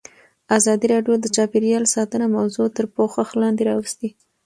ازادي راډیو د چاپیریال ساتنه موضوع تر پوښښ لاندې راوستې.